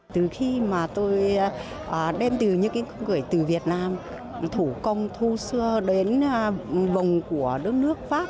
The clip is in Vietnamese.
từ khi mà tôi đem từ những người từ việt nam thủ công thu xưa đến vùng của đất nước pháp